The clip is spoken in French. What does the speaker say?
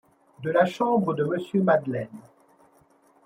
de la chambre de Monsieur Madeleine.